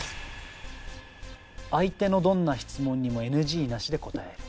「相手のどんな質問にもＮＧなしで答える」えっ！